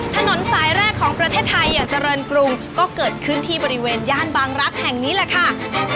ถนนสายแรกของประเทศไทยอย่างเจริญกรุงก็เกิดขึ้นที่บริเวณย่านบางรักษ์แห่งนี้แหละค่ะ